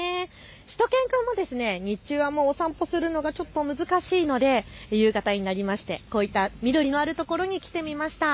しゅと犬くんも日中はもうお散歩するのが難しいので夕方になりまして、こういった緑のあるところに来てみました。